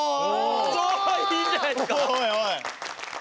超いいんじゃないですか？